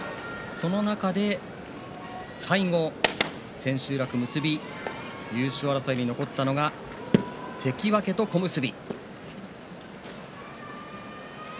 その中で最後、千秋楽結び優勝争いに残ったのが関脇と小結。